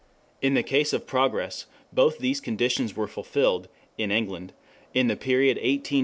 In the case of Progress both these conditions were fulfilled (in England) in the period 1820 1850."